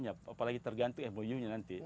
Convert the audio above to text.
apalagi tergantung emuniumnya nanti